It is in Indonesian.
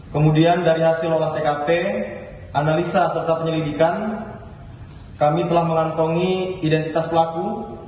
kemudian dari hasil olah tkp analisa serta penyelidikan kami telah mengantongi identitas pelaku